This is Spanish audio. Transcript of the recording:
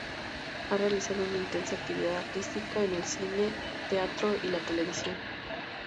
Ha realizado una intensa actividad artística en el cine, el teatro y la televisión.